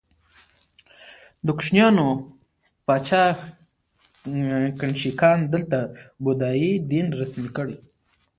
د کوشانیانو پاچا کنیشکا دلته بودايي دین رسمي کړ